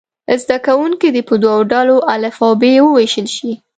زده کوونکي دې په دوو ډلو الف او ب وویشل شي.